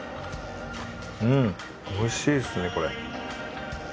うんおいしいですねこれ。